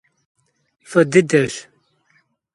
F'ı dıdeş.